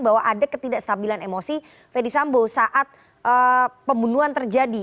bahwa ada ketidakstabilan emosi fedy sambo saat pembunuhan terjadi